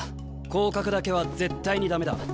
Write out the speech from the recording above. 降格だけは絶対に駄目だ。